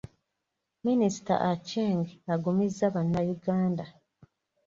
Minisita Acheng agumizza Bannayuganda.